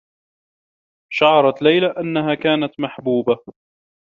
شعرت ليلى أنّها كانت محبوبة.